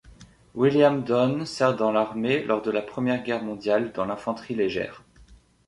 William Donne sert dans l'armée lors de la Première Guerre mondiale dans l'infanterie légère.